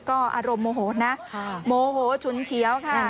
ก็อารมณ์โมโหนะโมโหฉุนเฉียวค่ะ